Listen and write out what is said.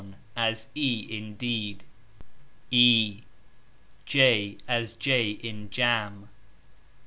As ee in deed ............... As .;' in jam